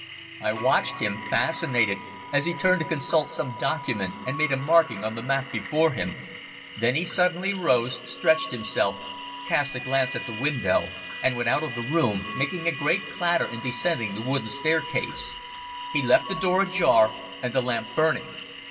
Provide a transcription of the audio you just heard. I watched him, fascinated, as he turned to consult some document and made a marking on the map before him. Then he suddenly rose, stretched himself, cast a glance at the window, and went out of the room, making a great clatter in descending the wooden staircase. He left the door ajar and the lamp burning.